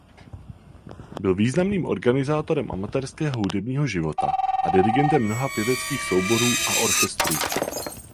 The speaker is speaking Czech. Byl významným organizátorem amatérského hudebního života a dirigentem mnoha pěveckých souborů a orchestrů.